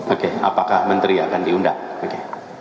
oke apakah menteri akan diundang oke